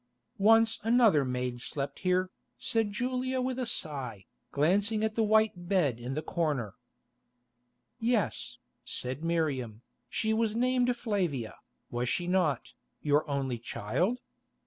"Once another maid slept here," said Julia with a sigh, glancing at the white bed in the corner. "Yes," said Miriam, "she was named Flavia, was she not, your only child?